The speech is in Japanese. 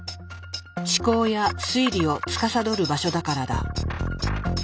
思考や推理をつかさどる場所だからだ。